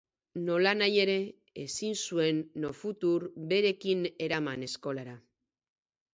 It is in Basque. Nolanahi ere, ezin zuen Nofutur berekin eraman eskolara.